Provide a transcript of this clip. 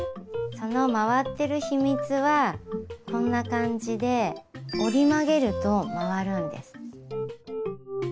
その回ってる秘密はこんな感じで折り曲げると回るんです。